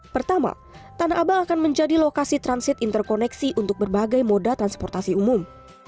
pertama tanah abang akan menjadi lokasi transit interkoneksi untuk berbagai moda transportasi umum